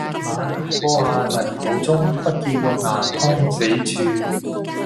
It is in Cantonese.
馬嵬坡下泥土中，不見玉顏空死處。